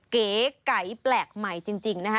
เก๋ไก่แปลกใหม่จริงนะคะ